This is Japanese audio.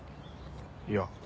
いや。